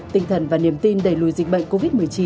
tinh thần và niềm tin đẩy lùi dịch bệnh covid một mươi chín